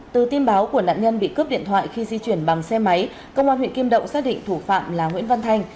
từ tin báo của nạn nhân bị cướp điện thoại khi di chuyển bằng xe máy công an huyện kim động xác định thủ phạm là nguyễn văn thanh